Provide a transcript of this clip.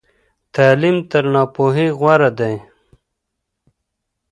تعلیم تر ناپوهۍ غوره دی.